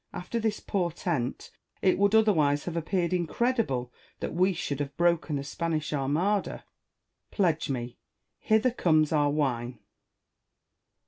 After this portent, it would otherwise have appeared incredible that we should have broken the Spanish Armada. Pledge me : hither comes our wine.